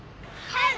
はい！